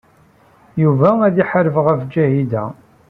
Yuba ad iḥareb ɣef Ǧahida.